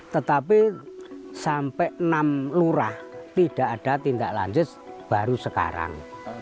tetapi sampai enam lurah tidak ada tindak lanjut baru sekarang